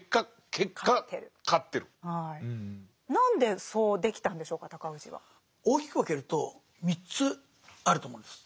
何でそうできたんでしょうか尊氏は。大きく分けると３つあると思うんです。